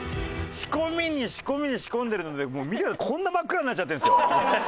仕込みに仕込みに仕込んでるのでもう見てくださいこんな真っ暗になっちゃってるんですよ。